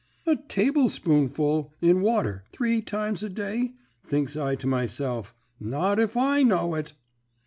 "'A tablespoonful, in water, three times a day,' thinks I to myself. 'Not if I know it.'